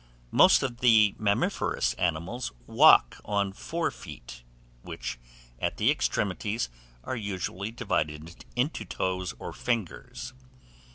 Most of the mammiferous animals walk on four feet, which, at the extremities, are usually divided into toes or fingers.